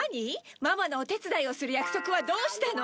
ママのお手伝いをする約束はどうしたの？